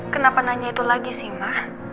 kenapa nanya itu lagi sih ma